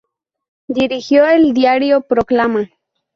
Dirigió el diario "Proclama".